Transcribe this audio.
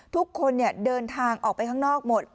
ทุกคนเดินทางออกไปข้างนอกหมด